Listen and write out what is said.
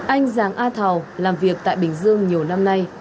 anh giang a thảo làm việc tại bình dương nhiều năm nay